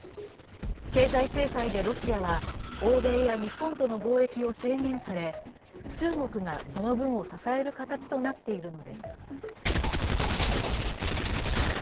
経済制裁でロシアは欧米や日本との貿易を制限され、中国が、その分を支える形となっているのです。